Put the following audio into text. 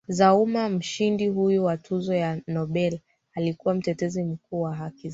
za ummaMshindi huyo wa tuzo ya Nobel alikuwa mtetezi mkuu wa haki za